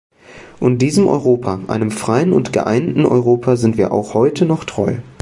Und diesem Europa einem freien und geeinten Europa sind wir auch heute noch treu.